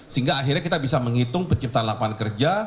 sehingga akhirnya kita bisa menghitung penciptaan lapangan kerja